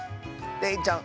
れいちゃん